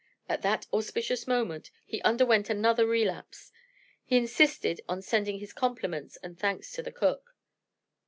At that auspicious moment, he underwent another relapse. He insisted on sending his compliments and thanks to the cook.